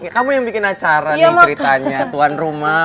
kamu yang bikin acara nih ceritanya tuan rumah